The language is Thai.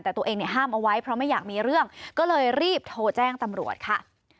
แต่ตัวเองเนี่ยห้ามเอาไว้เพราะไม่อยากมีเรื่องก็เลยรีบโทรแจ้งตำรวจค่ะ